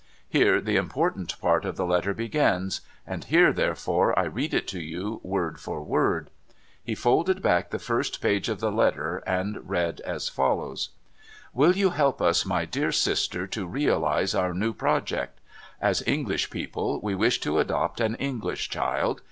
Here the important part of the letter begins ; and here, therefore, I read it to you word for word.' He folded back the first page of the letter and read as follows :"•" "Will you help us, my dear sister, to realise our new project ? As English people, we wish to adopt an English child.